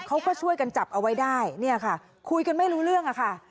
เขาก็ช่วยกันจับเอาไว้ได้เนี่ยค่ะคุยกันไม่รู้เรื่องอะค่ะ